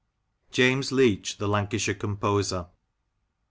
JAMES LEACH, THE LANCASHIRE COMPOSER.